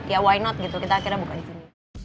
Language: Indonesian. ya why not gitu kita akhirnya buka di sini